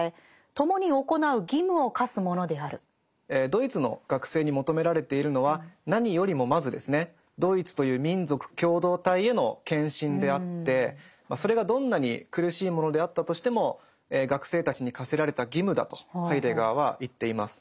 ドイツの学生に求められているのは何よりもまずですねドイツという民族共同体への献身であってそれがどんなに苦しいものであったとしても学生たちに課せられた義務だとハイデガーは言っています。